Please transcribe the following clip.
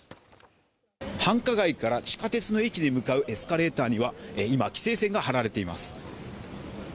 繁華街から地下鉄の駅に向かうエスカレーターには今規制線が張られています。